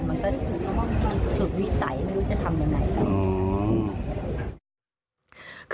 มันก็สุดวิสัยไม่รู้จะทำยังไงกัน